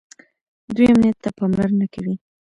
دوی امنیت ته پاملرنه کوي.